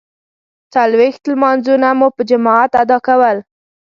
څلویښت لمانځونه مو په جماعت ادا کول.